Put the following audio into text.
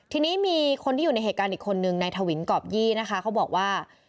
ทีนี้มีคนที่อยู่ในเหตุการณ์อีกคนนึงในทวินกรอบยี่นะคะเขาบอกว่า